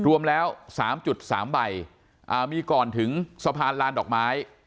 รวมแล้วสามจุดสามใบอ่ามีก่อนถึงสะพานลานดอกไม้